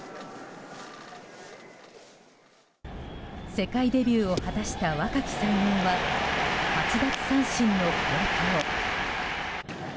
世界デビューを果たした若き才能は８奪三振の好投。